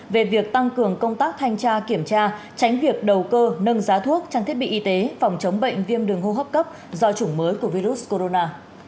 về việc tăng cường công tác thanh tra kiểm tra tránh việc đầu cơ nâng giá thuốc trang thiết bị y tế phòng chống bệnh viêm đường hô hấp cấp do chủng mới của virus corona